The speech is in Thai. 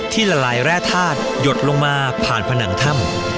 ละลายแร่ธาตุหยดลงมาผ่านผนังถ้ำ